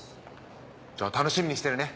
じゃあ楽しみにしてるね。